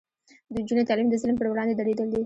د نجونو تعلیم د ظلم پر وړاندې دریدل دي.